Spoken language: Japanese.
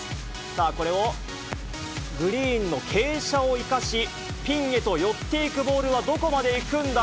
さあ、これを、グリーンの傾斜を生かし、ピンへと寄っていくボールはどこまで行くんだ？